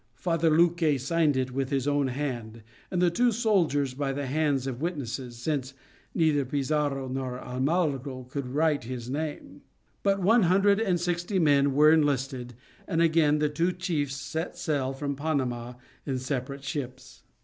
Father Luque signed it with his own hand, and the two soldiers by the hands of witnesses, since neither Pizarro nor Almagro could write his name. About one hundred and sixty men were enlisted, and again the two chiefs set sail from Panama in separate ships.